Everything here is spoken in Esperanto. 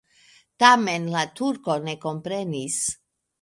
Tamen la turko ne komprenis.